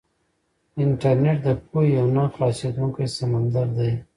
انټرنيټ د پوهې یو نه خلاصېدونکی سمندر دی.